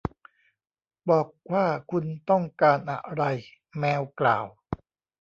บอกว่าคุณต้องการอะไร แมวกล่าว